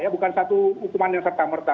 bukan satu hukuman yang serta merta